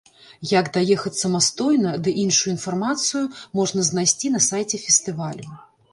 Як даехаць самастойна ды іншую інфармацыю можна знайсці на сайце фестывалю.